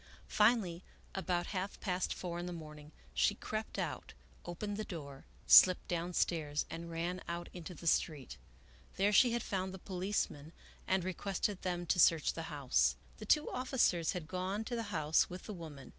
Finally, about half past four in the morning, she crept out, opened the door, slipped downstairs, and ran out into the street. There she had found the policemen and re quested them to search the house. The two officers had gone to the house with the woman.